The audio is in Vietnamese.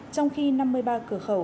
trong khi năm mươi ba cửa khẩu